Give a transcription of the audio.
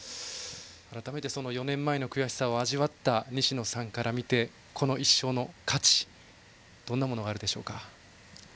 改めて４年前の悔しさを味わった西野さんから見てこの１勝の価値どんなものがあるでしょうか。